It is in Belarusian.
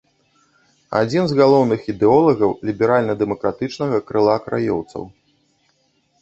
Адзін з галоўных ідэолагаў ліберальна-дэмакратычнага крыла краёўцаў.